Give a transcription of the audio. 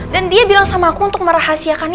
dan dia bilang sama aku untuk merahasiakan itu